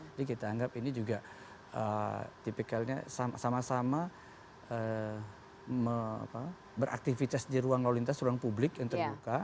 jadi kita anggap ini juga tipikalnya sama sama beraktivitas di ruang lalu lintas ruang publik yang terbuka